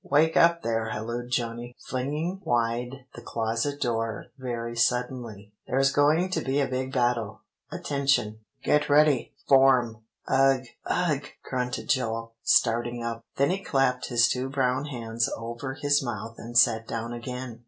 "'Wake up there!' hallooed Johnny, flinging wide the closet door very suddenly. 'There's going to be a big battle. Attention Get ready Form!'" "Ugh ugh!" grunted Joel, starting up. Then he clapped his two brown hands over his mouth and sat down again.